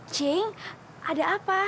cing ada apa